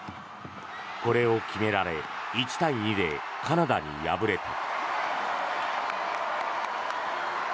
これを決められ１対２でカナダに敗れた。